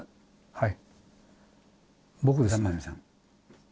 はい。